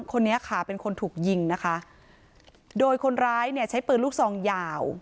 คนนี้ค่ะเป็นคนถูกยิงนะคะโดยคนร้ายเนี่ยใช้ปืนลูกซองยาว